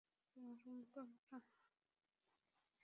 তোমার রুম কোনটা?